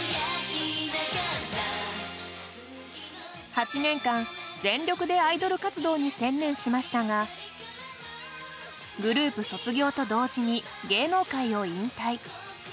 ８年間全力でアイドル活動に専念しましたがグループ卒業と同時に芸能界を引退。